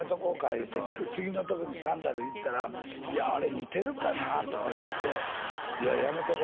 言うて次のとこにサンダルいったら「あれ似てるかな」とか言うて「やめとこ」